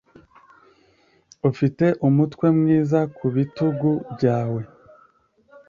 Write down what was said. ufite umutwe mwiza ku bitugu byawe